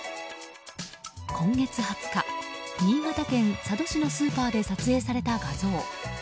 今月２０日新潟県佐渡市のスーパーで撮影された画像。